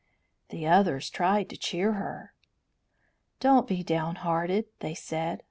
The others tried to cheer her. "Don't be downhearted," they said.